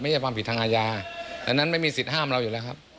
ความผิดทางอาญาอันนั้นไม่มีสิทธิห้ามเราอยู่แล้วครับ